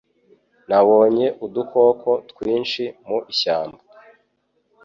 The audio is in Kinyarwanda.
Nabonye udukoko twinshi mu ishyamba